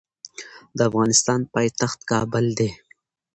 د افغانستان پایتخت کابل دي